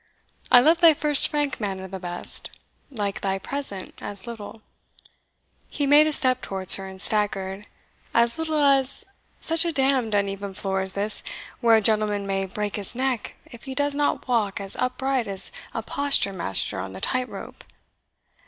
I love thy first frank manner the best like thy present as little" (he made a step towards her, and staggered) "as little as such a damned uneven floor as this, where a gentleman may break his neck if he does not walk as upright as a posture master on the tight rope."